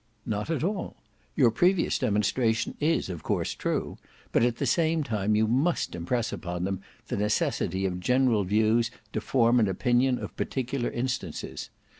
"Not at all; your previous demonstration is of course true, but at the same time you must impress upon them the necessity of general views to form an opinion of particular instances.